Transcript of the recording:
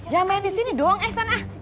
jangan main disini doang ehsan ah